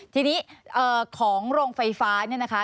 ทีนี้ของโรงไฟฟ้าเนี่ยนะคะ